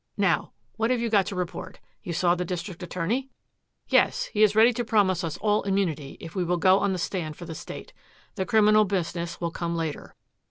Now, what have you to report? You saw the district attorney?" "Yes. He is ready to promise us all immunity if we will go on the stand for the state. The criminal business will come later.